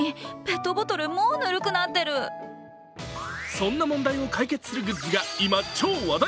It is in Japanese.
そんな問題を解決するグッズが今、超話題。